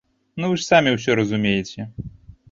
Ну вы ж самі ўсё разумееце!